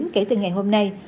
kể từ ngày hôm nay